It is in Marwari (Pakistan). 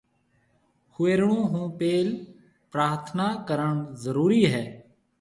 هوئيرڻ هون پيل پرٿنا ڪرڻ ضرُورِي هيَ۔